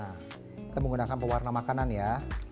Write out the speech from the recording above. kita menggunakan pewarna makanan ya